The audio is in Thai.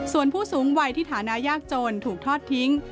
ส่วนผู้สูงวัยที่ฐานะยากจนถูกทอดทิ้ง